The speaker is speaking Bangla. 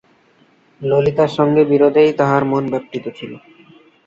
ললিতার সঙ্গে বিরোধেই তাহার মন ব্যাপৃত ছিল।